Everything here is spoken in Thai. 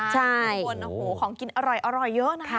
ใช่อุบลของกินอร่อยเยอะนะคะ